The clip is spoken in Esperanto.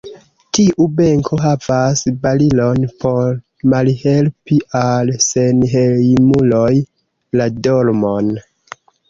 Tiu benko havas barilon por malhelpi al senhejmuloj la dormon.